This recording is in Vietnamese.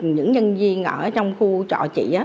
những nhân viên ở trong khu trọ chị